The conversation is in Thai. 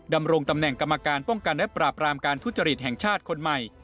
ดำรงตำแหน่งกรรมการป้องกันและปราบรามการทุจริตแห่งชาติคนใหม่